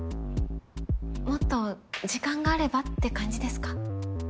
もっと時間があればって感じですか？